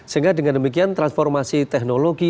sehingga dengan demikian transformasi teknologi